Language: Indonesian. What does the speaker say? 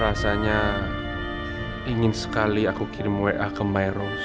rasanya ingin sekali aku kirim wa ke miro